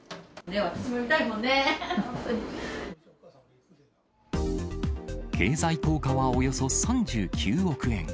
ね、経済効果はおよそ３９億円。